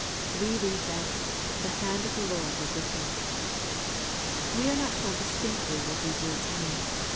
We read that " the hand of the Lord was with him." We are not told distinctly what these words mean.